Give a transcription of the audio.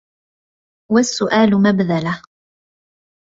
وَالسُّؤَالُ مَبْذَلَةٌ